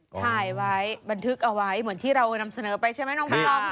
ถ่ายไว้บันทึกเอาไว้เหมือนที่เรานำเสนอไปใช่ไหมน้องใบตอง